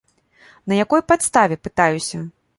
На якой падставе, пытаюся.